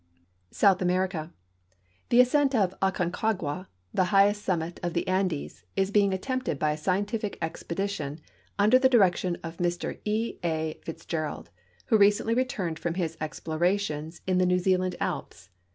SOUTH AMERICA The ascent of Aconcagua, the highest summit of the Andes, is being attempted by a scientitic expedition under the direction of Mr E. A. Fitz gerald, who recently returned from his explorations in the New Zealand alps.